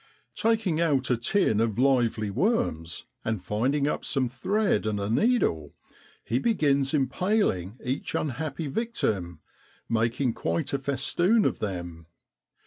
Taking out a tin of lively worms, and finding up some thread and a needle, he begins impaling each unhappy victim, making quite a festoon of them.